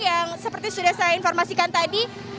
yang seperti sudah saya informasikan tadi